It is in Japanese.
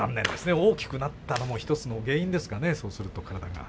大きくなったのも１つの原因ですかね、そうすると、体が。